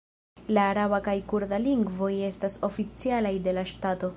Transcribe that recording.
La araba kaj kurda lingvoj estas oficialaj de la ŝtato.